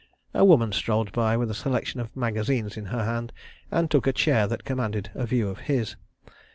... A woman strolled by with a selection of magazines in her hand, and took a chair that commanded a view of his.